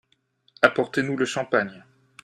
Apportez-nous le champagne.